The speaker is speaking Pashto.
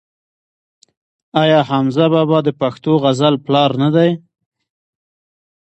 آیا حمزه بابا د پښتو غزل پلار نه دی؟